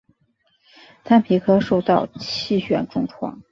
坦皮科受到气旋重创。